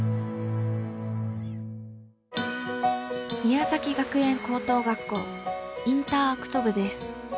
宮崎学園高等学校インターアクト部です。